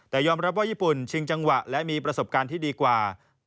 แต่ยอมรับว่าญี่ปุ่นชิงจังหวะและมีประสบการณ์ที่ดีกว่า